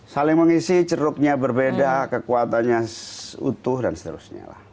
saling mengisi ceruknya berbeda kekuatannya utuh dan seterusnya lah